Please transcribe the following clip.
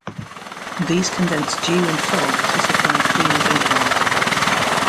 These condense dew and fog to supply clean drinking water.